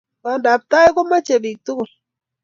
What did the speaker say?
pandab tai komache pik tugul